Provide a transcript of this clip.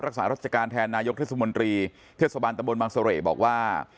รักษารัชการแทนนายกเทศมนตรีเทศบาลตะบนบางเสร่บอกว่า